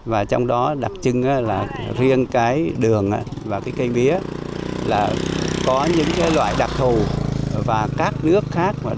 và trong đó đặc trưng là riêng cái đường và cái cây mía là có những loại đặc thù và các nước khác